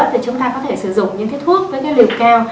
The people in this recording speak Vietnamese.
thì chúng ta có thể sử dụng những cái thuốc với cái liều cao